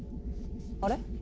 あれ？